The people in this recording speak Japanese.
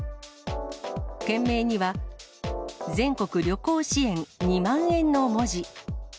件名には、全国旅行支援、２万円の文字。